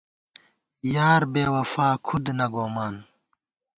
یار بےوفا کھُدہ نہ گومان،